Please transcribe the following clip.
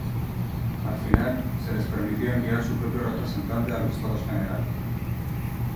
Al final, se les permitió enviar su propio representante a los Estados Generales.